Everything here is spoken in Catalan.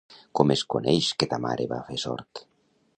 Com es coneix que ta mare va fer sort!